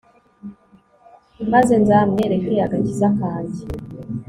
maze nzamwereke agakiza kanjye